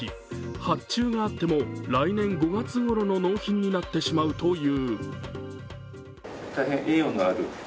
発注があっても来年５月ごろの納品になってしまうという。